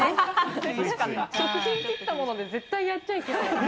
食品を切ったもので絶対やっちゃいけない。